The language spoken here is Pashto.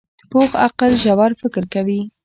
پوخ عقل ژور فکر کوي